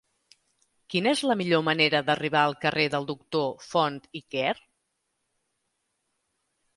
Quina és la millor manera d'arribar al carrer del Doctor Font i Quer?